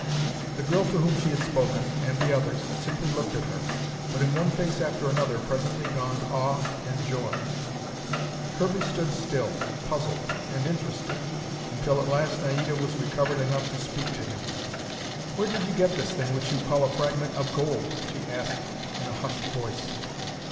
The girl to whom she had spoken, and the others, simply looked at her, but in one face after another presently dawned awe and joy. Kirby stood still, puzzled and interested, until at last Naida was recovered enough to speak to him. "Where did you get this thing which you call 'a fragment of gold'?" she asked in a hushed voice.